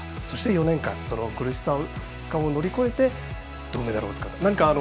そして４年間、その苦しさを乗り越えて、銅メダルをつかんだ。